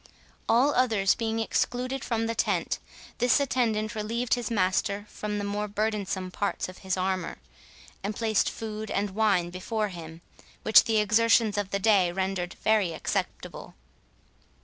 All others being excluded from the tent, this attendant relieved his master from the more burdensome parts of his armour, and placed food and wine before him, which the exertions of the day rendered very acceptable.